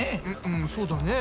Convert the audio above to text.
うんそうだね。